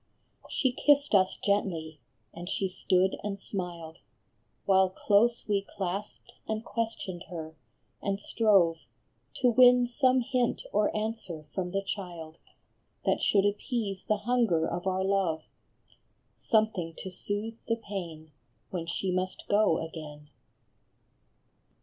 She kissed us gently, and she stood and smiled, While close we clasped and questioned her, and strove To win some hint or answer from the child That should appease the hunger of our love, Something to soothe the pain when she must go again.